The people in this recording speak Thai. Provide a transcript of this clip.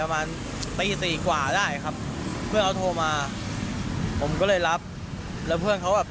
ประมาณตีสี่กว่าได้ครับเมื่อเขาโทรมาผมก็เลยรับแล้วเพื่อนเขาแบบ